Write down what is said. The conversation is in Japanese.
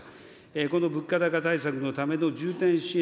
この物価高対策のための重点支援